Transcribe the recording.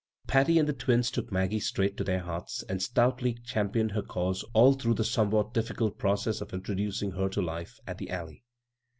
Patty and the twins took Maggie straight to their hearts, and stoutly cham pioned her cause all through the somewhat difficult process of introducing her to life at " the Alley."